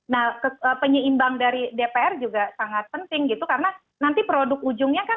nah penyeimbang dari dpr juga sangat penting gitu karena nanti produk ujungnya kan